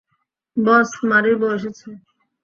বস, মারির বউ এসেছে।